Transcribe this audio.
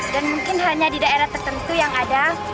dan mungkin hanya di daerah tertentu yang ada